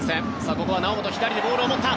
ここは猶本左でボールを持った。